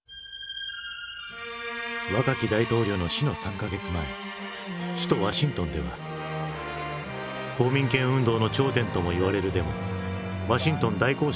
若き大統領の死の３か月前首都ワシントンでは公民権運動の頂点ともいわれるデモ「ワシントン大行進」が行われていた。